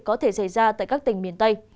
có thể xảy ra tại các tỉnh miền tây